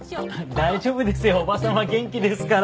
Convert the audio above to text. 大丈夫ですよ叔母様元気ですから。